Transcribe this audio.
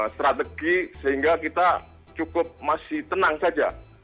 strategi sehingga kita cukup masih tenang saja